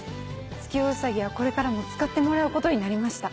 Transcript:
月夜ウサギはこれからも使ってもらうことになりました。